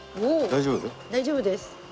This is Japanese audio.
大丈夫です。